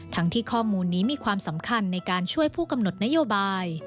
ที่ข้อมูลนี้มีความสำคัญในการช่วยผู้กำหนดนโยบาย